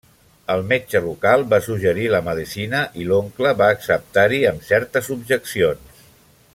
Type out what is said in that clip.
El metge local va suggerir la Medicina, i l'oncle va acceptar-hi amb certes objeccions.